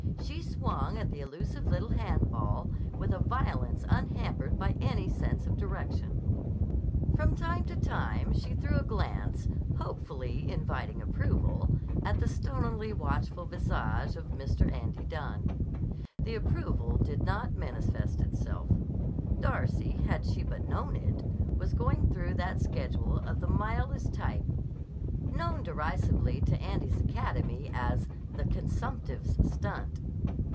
She swung at the elusive little hand ball with a violence unhampered by any sense of direction. From time to time she threw a glance, hopefully inviting approval, at the stonily watchful visage of Mr. Andy Dunne. The approval did not manifest itself. Darcy, had she but known it, was going through that schedule of the mildest type known derisively to Andy's academy as "the consumptive's stunt."